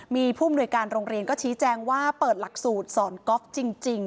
มีผู้อำนวยการโรงเรียนก็ชี้แจงว่าเปิดหลักสูตรสอนก๊อฟจริง